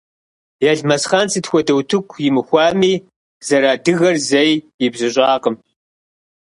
Елмэсхъан сыт хуэдэ утыку имыхуами, зэрыадыгэр зэи ибзыщӏакъым.